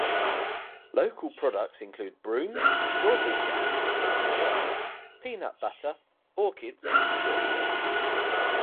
Local products include brooms, strawberry jam, strawberry wine, peanut butter, orchids and quilts.